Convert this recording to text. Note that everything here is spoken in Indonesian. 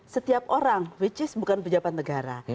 setiap orang which is bukan pejabat negara